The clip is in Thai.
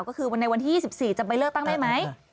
ก็คือในวันที่๒๔จะไปเลือกตั้งได้ไหม